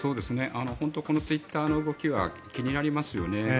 このツイッターの動きは気になりますよね。